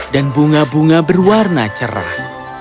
bunga bunga berwarna cerah